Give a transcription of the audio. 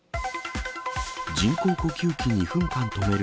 人工呼吸器２分間止める。